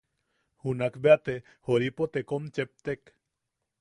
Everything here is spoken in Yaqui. Junakbeate Joripote kom cheptek.